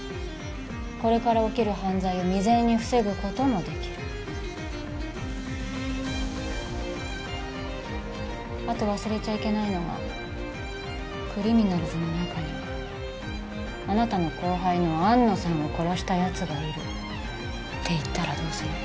これから起きる犯罪を未然に防ぐこともできるあと忘れちゃいけないのがクリミナルズの中にはあなたの後輩の安野さんを殺したやつがいるって言ったらどうする？